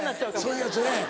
そういうやつええ。